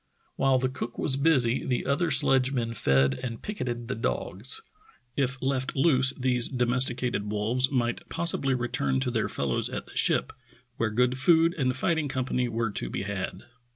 While the cook was busy the other sledgemen fed and picketed the dogs. If left loose these domesticated wolves might possibly return to their fellows at the ship, where good food and fighting company were to be had.